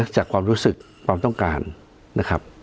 จากความรู้สึกความต้องการนะครับ